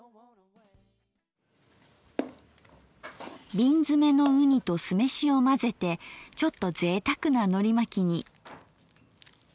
瓶詰めのうにと酢飯を混ぜてちょっとぜいたくなのりまきに。